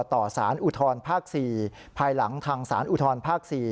ต่อสารอุทธรภาค๔ภายหลังทางสารอุทธรภาค๔